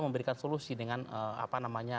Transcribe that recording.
memberikan solusi dengan apa namanya